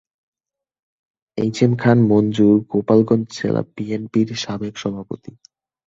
M H Khan Manzur Gopalganj জেলা বিএনপির সাবেক সভাপতি।